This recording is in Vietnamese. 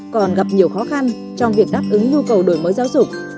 còn gặp nhiều khó khăn trong việc đáp ứng nhu cầu đổi mới giáo dục